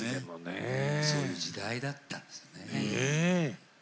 そういう時代だったんですね。